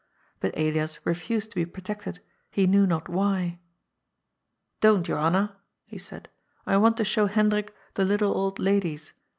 But Elias refused to be protected he knew not why. " Don't, Johanna," he said, " I want to show Hendrik the little old ladies.